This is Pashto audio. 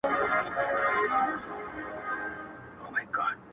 o شیخ پیودلی د ریا تار په تسبو دی,